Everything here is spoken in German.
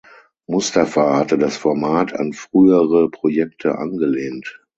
Mustafa hatte das Format an frühere Projekte angelehnt.